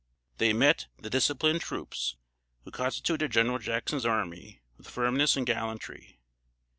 They met the disciplined troops, who constituted General Jackson's army, with firmness and gallantry.